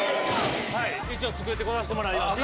はい一応作ってこさせてもらいました。